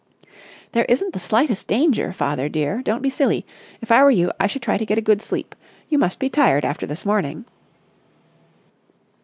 "There isn't the slightest danger, father, dear. Don't be silly. If I were you, I should try to get a good sleep. You must be tired after this morning."